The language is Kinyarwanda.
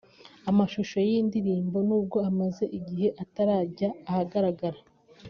Amashusho y’iyi ndirimbo n’ubwo amaze igihe atarajya ahagaragara